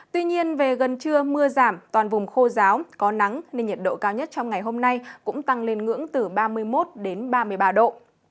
tuy nhiên về gần trưa mưa giảm toàn vùng khô giáo có nắng nên nhiệt độ cao nhất trong ngày hôm nay cũng tăng lên ngưỡng từ ba mươi một đến ba mươi ba độ